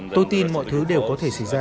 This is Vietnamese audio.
tôi tin mọi thứ đều có thể xảy ra